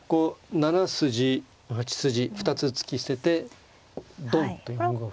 ７筋８筋２つ突き捨ててドンと４五歩。